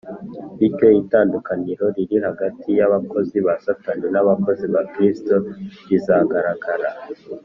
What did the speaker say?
bityo itandukaniro riri hagati y’abakozi ba satani n’abakozi ba kristo rizagaragara